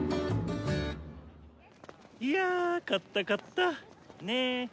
いや買った買った！ね！